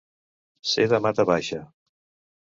Ser de mata baixa.